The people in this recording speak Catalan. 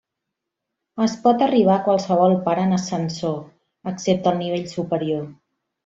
Es pot arribar a qualsevol part en ascensor, excepte al nivell superior.